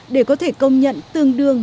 để có thể công nhận tương đương